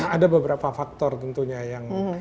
ada beberapa faktor tentunya yang